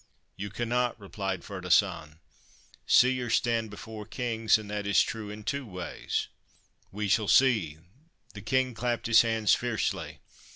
' You cannot,' replied Ferdasan. ' Seers stand before kings and that is true in two ways. ' We shall see.' The King clapped his hands fiercely.